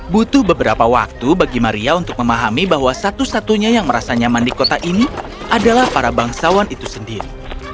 butuh beberapa waktu bagi maria untuk memahami bahwa satu satunya yang merasa nyaman di kota ini adalah para bangsawan itu sendiri